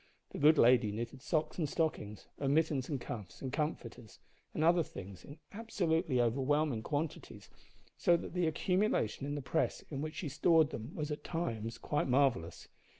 The good lady knitted socks and stockings, and mittens and cuffs, and comforters, and other things, in absolutely overwhelming quantities, so that the accumulation in the press in which she stored them was at times quite marvellous.